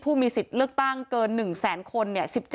ผู้มีสติเลือกตั้งเกิน๑๑๒๘๔๗